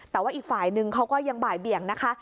แต่ว่าอีกฝ่ายนึงเขาก็ยังบ่ายเบี่ยงนะคะ